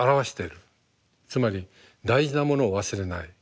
つまり大事なものを忘れない。